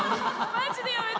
マジでやめて。